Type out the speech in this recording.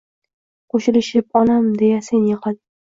Qo’shilishib “Onam” deya sen yig’lading